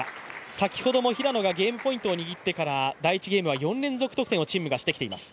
先ほども平野がゲームポイントを握ってから第１ゲームは４連続という得点をしてきています。